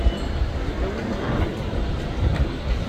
Yella win i iɣelṭen.